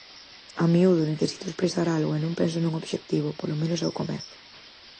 A miúdo necesito expresar algo e non penso nun obxectivo, polo menos ao comezo.